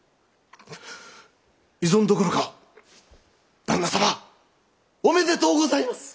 異存どころか旦那様おめでとうございます！